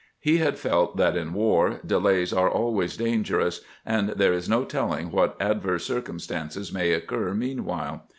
He had felt that in war delays are always danger ous, and there is no telling what adverse circumstances may occur meanwhile.